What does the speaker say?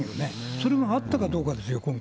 それがあったかどうかですよ、今回。